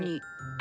あ。